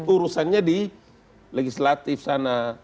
urusannya di legislatif sana